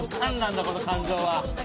この感情は。